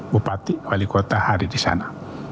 bupati wali kota hari di sana